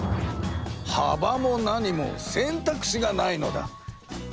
幅も何も選択肢がないのだ！